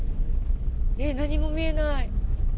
え、何も見えない。